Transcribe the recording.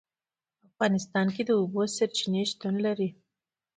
په افغانستان کې د اوبو سرچینې شتون لري.